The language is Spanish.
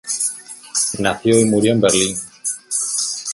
Nació y murió en Berlín.